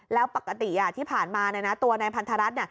แล้วปกติที่ผ่านมาตัวนายพันธรัฐ